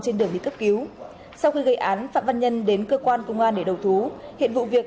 trên đường đi cấp cứu sau khi gây án phạm văn nhân đến cơ quan công an để đầu thú hiện vụ việc